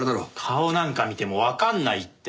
顔なんか見てもわかんないって。